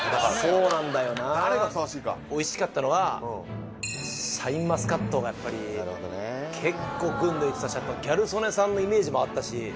そうなんだよなおいしかったのはシャインマスカットがやっぱり結構群抜いてたしギャル曽根さんのイメージもあったし。